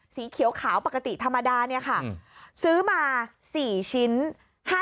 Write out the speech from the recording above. สีเขียวขาวปกติธรรมดาเนี่ยค่ะซื้อมา๔ชิ้น